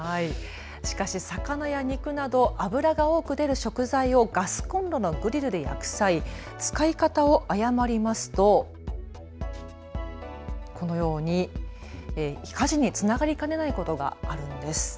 しかし魚や肉など脂が多く出る食材をガスコンロのグリルで焼く際、使い方を誤りますとこのように火事につながりかねないことがあるんです。